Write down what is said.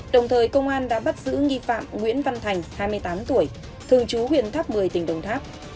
đồng thời công an đã bắt giữ nghi phạm nguyễn văn thành hai mươi tám tuổi thường chú huyện tháp một mươi tỉnh đồng tháp